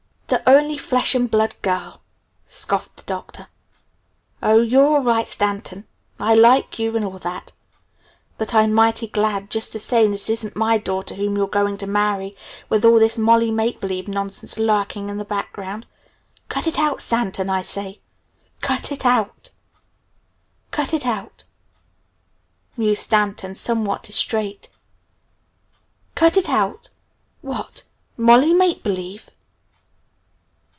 "The only 'flesh and blood' girl?" scoffed the Doctor. "Oh, you're all right, Stanton. I like you and all that. But I'm mighty glad just the same that it isn't my daughter whom you're going to marry, with all this 'Molly Make Believe' nonsense lurking in the background. Cut it out, Stanton, I say. Cut it out!" "Cut it out?" mused Stanton somewhat distrait. "Cut it out? What! Molly Make Believe?"